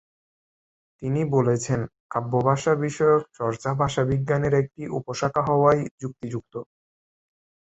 তিনি বলেছেন, কাব্য-ভাষা বিষয়ক চর্চা ভাষাবিজ্ঞানের একটি উপশাখা হওয়াই যুক্তিযুক্ত।